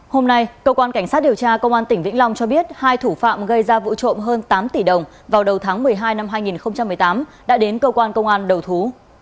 hôm nay cơ quan cảnh sát điều tra công an tỉnh vĩnh long cho biết hai thủ phạm gây ra vụ trộm hơn tám tỷ đồng vào đầu tháng một mươi hai năm hai nghìn một mươi tám đã đến cơ quan công an đầu thú